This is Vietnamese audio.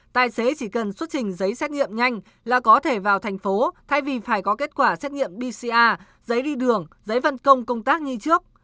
tài xế chỉ cần xuất trình giấy xét nghiệm nhanh là có thể vào thành phố thay vì phải có kết quả xét nghiệm bca giấy đi đường giấy vân công công tác như trước